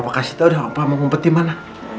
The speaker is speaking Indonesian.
opa kasih tau deh opa mau ngumpet dimana